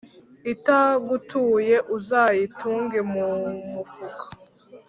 Itagutuye uzayitunge mu mufuka.